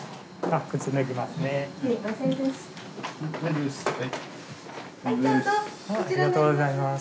ありがとうございます。